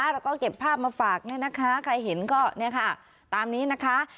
แล้วก็เก็บภาพมาฝากเนี่ยนะคะใครเห็นก็เนี่ยค่ะตามนี้นะคะ